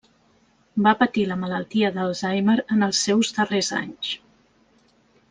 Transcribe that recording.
Va patir la malaltia d'Alzheimer en els seus darrers anys.